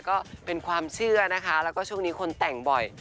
ก็เป็นความเชื่อนะคะแล้วก็ช่วงนี้คนแต่งบ่อย